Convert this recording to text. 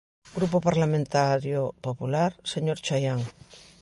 Grupo Parlamentario Popular, señor Chaián.